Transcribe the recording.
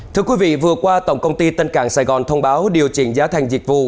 thưa quý vị vừa qua tổng công ty tân cảng sài gòn thông báo điều chỉnh giá thành dịch vụ